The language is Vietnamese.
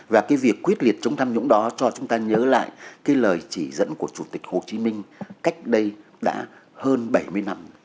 và cái việc quyết liệt chống tham nhũng đó cho chúng ta nhớ lại cái lời chỉ dẫn của chủ tịch hồ chí minh cách đây đã hơn bảy mươi năm